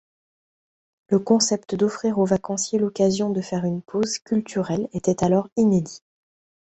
Le concept d’offrir aux vacanciers l’occasion de faire une pause culturelle était alors inédit.